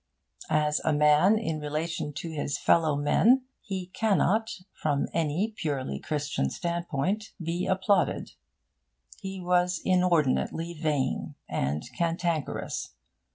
As a man in relation to his fellow men, he cannot, from any purely Christian standpoint, be applauded. He was inordinately vain and cantankerous.